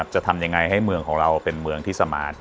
จะทำยังไงให้เมืองของเราเป็นเมืองที่สมาน